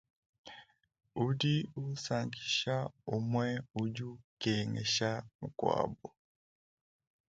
Udi usankisha, umue udikengesha mukuabu.